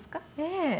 ええ。